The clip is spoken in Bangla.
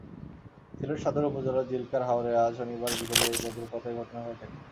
সিলেট সদর উপজেলার জিলকার হাওরে আজ শনিবার বিকেলে এই বজ্রপাতের ঘটনা ঘটে।